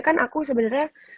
kan aku sebenarnya